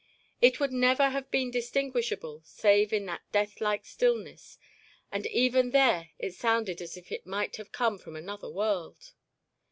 It would never have been distinguishable save in that deathlike stillness and even there it sounded as if it might have come from another world.